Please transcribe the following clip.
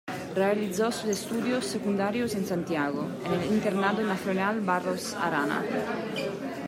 Realizó sus estudios secundarios en Santiago, en el Internado Nacional Barros Arana.